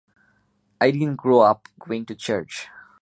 I didn't grow up going to church.